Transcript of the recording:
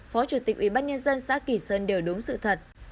phó chủ tịch ubnd xã kỳ sơn đều đúng sự thật